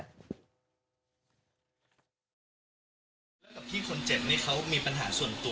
แล้วกับพี่คนเจ็บนี่เขามีปัญหาส่วนตัว